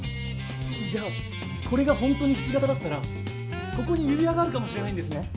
じゃあこれがほんとにひし形だったらここに指輪があるかもしれないんですね？